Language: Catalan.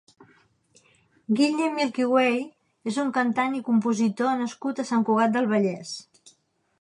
Guille Milkyway és un cantant i compositor nascut a Sant Cugat del Vallès.